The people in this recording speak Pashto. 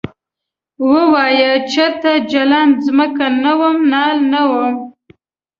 ووایه چرته جلان ځمکه نه وم نال نه وم ؟